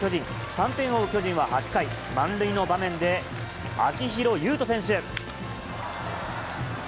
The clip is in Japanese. ３点を追う巨人は８回、満塁の場面で秋広優人選手。